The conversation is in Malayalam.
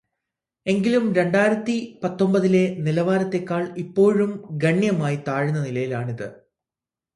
എങ്കിലും രണ്ടായിരത്തി പത്തൊമ്പതിലെ നിലവാരത്തേക്കാൾ ഇപ്പോഴും ഗണ്യമായി താഴ്ന്ന നിലയിലാണിത്.